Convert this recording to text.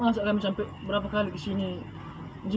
masa kami sampai berapa kali kesini